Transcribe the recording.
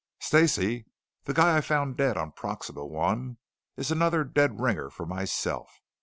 "Stacey, the guy I found dead on Proxima I is another dead ringer for myself.